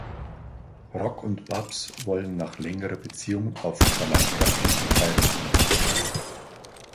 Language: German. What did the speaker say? Rock und Babs wollen nach längerer Beziehung auf Jamaika endlich heiraten.